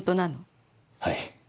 はい。